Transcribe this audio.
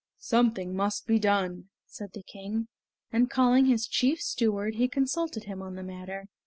"Something must be done," said the King, and calling his chief steward he consulted him on the matter.